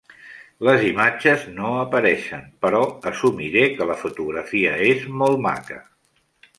Les imatges no apareixen, però assumiré que la fotografia és molt maca.